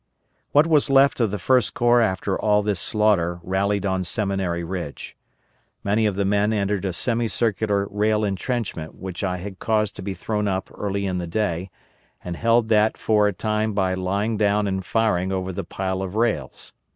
What was left of the First Corps after all this slaughter rallied on Seminary Ridge. Many of the men entered a semi circular rail entrenchment which I had caused to be thrown up early in the day, and held that for a time by lying down and firing over the pile of rails.